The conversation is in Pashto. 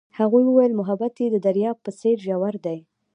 هغې وویل محبت یې د دریاب په څېر ژور دی.